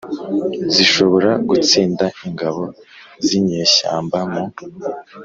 zishobora gutsinda ingabo z'inyeshyamba mu